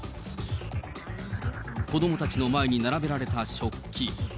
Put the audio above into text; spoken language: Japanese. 子どもたちの前に並べられた食器。